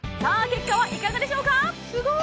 結果はいかがでしょうか？